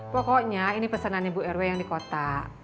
pokoknya ini pesanan ibu rw yang di kota